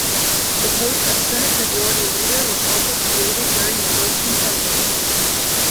The post of Senate Majority Leader was also created during the Wilson presidency.